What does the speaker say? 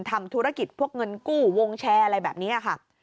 ทำธุรกิจพวกเงินกู้วงแชร์อะไรแบบนี้ค่ะ